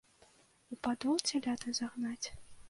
У падол цяляты загнаць?